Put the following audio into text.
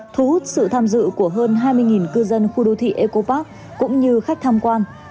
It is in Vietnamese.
thu hút sự tham dự của hơn hai mươi cư dân khu đô thị eco park cũng như khách tham quan